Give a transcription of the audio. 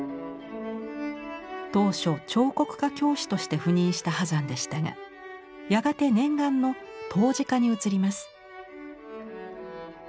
当初彫刻科教師として赴任した波山でしたがやがて念願の陶磁科に移ります。